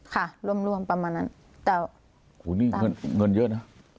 ค่ะร่วมร่วมประมาณนั้นแต่โอ้โหนี่เงินเงินเยอะนะ